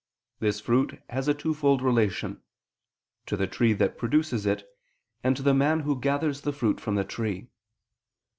This fruit has a twofold relation: to the tree that produces it, and to the man who gathers the fruit from the tree.